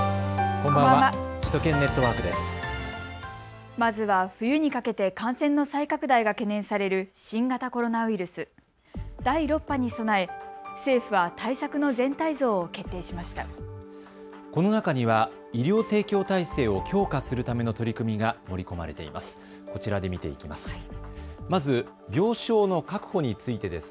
この中には医療提供体制を強化するための取り組みが盛り込まれています。